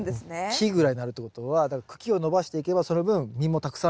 木ぐらいになるってことはだから茎を伸ばしていけばその分実もたくさん収穫できると。